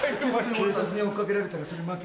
警察に追っ掛けられたらそれまけ。